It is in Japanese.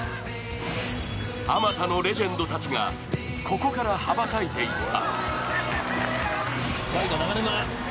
あまたのレジェンドたちがここから羽ばたいていった。